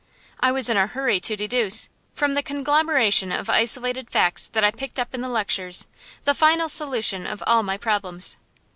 I was in a hurry to deduce, from the conglomeration of isolated facts that I picked up in the lectures, the final solution of all my problems.